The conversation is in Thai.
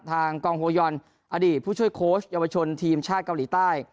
ทางกองโฮยอนอดีตผู้ช่วยโค้ชเยาวชนทีมชาติเกาหลีใต้